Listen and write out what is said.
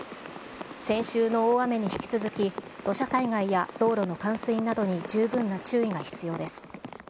先週の大雨に引き続き、土砂災害や道路の冠水などに十分な注意が必要です。